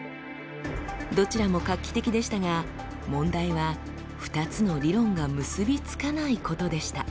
どちらも画期的でしたが問題は２つの理論が結び付かないことでした。